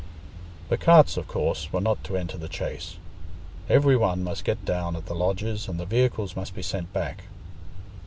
The carts, of course, were not to enter the Chase. Every one must get down at the lodges, and the vehicles must be sent back.